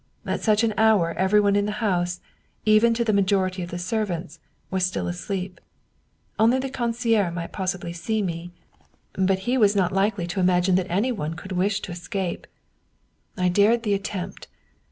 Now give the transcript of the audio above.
At such an hour everyone in the house, even to the majority of the servants, was still asleep. Only the concierge might possibly see me, but 105 German Mystery Stories he was not likely to imagine that anyone could wish to escape. I dared the attempt.